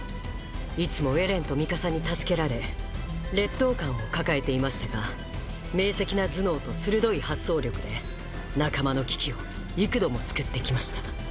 いつもエレンとミカサに助けられ劣等感を抱えていましたが明晰な頭脳と鋭い発想力で仲間の危機を幾度も救ってきました